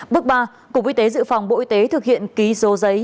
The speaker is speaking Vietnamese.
bước ba cục y tế dự phòng bộ y tế thực hiện ký số giấy